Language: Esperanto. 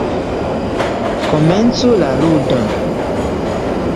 Komencu la ludon!